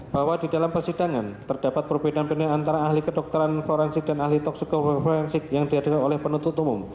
bahwa di dalam persidangan terdapat perbedaan pilihan antara ahli kedokteran forensik dan ahli toksikologi forensik yang diadakan oleh penuntut umum